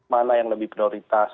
mana yang lebih prioritas